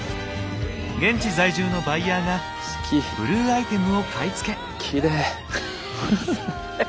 現地在住のバイヤーがブルーアイテムを買い付け！